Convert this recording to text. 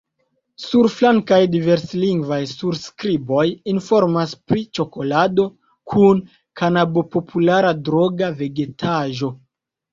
Surflankaj diverslingvaj surskriboj informas pri ĉokolado kun kanabo – populara droga vegetaĵo.